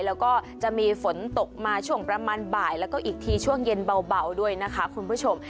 แล้วก็จะมีฝนตกมาช่วงประมาณบ่ายแล้วก็อีกทีช่วงเย็นเบาด้วยนะคะคุณผู้ชม